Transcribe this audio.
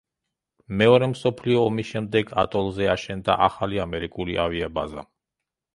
მეორე მსოფლიო ომის შემდეგ ატოლზე აშენდა ახალი ამერიკული ავიაბაზა.